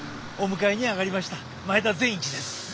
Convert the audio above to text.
お迎えに上がりました前田善一です。